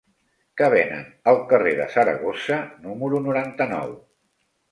Què venen al carrer de Saragossa número noranta-nou?